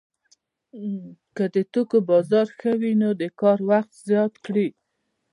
که د توکو بازار ښه وي نو د کار وخت زیات کړي